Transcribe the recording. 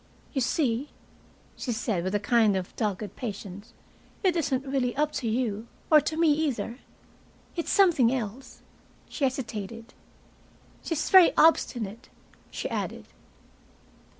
"You see," she said, with a kind of dogged patience, "it isn't really up to you, or to me either. It's something else." She hesitated. "She's very obstinate," she added.